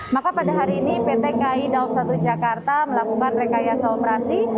maka pada hari ini pt kai daup satu jakarta melakukan rekayasa operasi